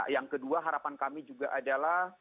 yang kedua harapan kami juga adalah